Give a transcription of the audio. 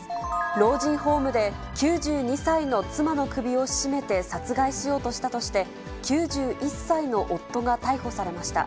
老人ホームで９２歳の妻の首を絞めて殺害しようとしたとして、９１歳の夫が逮捕されました。